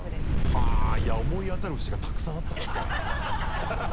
はぁいや思い当たる節がたくさんあったからさ。